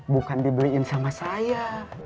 bukan dibeliin sama saya